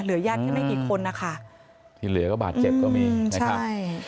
เหลือญาติก็ไม่กี่คนนะคะที่เหลือก็บาทเจ็บก็มีอืมใช่